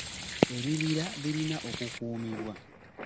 Ebibira birina okukuumibwa.